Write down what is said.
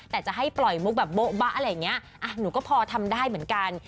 แต่จะให้ปล่อยมุกแบบโบ๊บะอะไรอย่างนี้หนูก็พอทำได้เหมือนกัน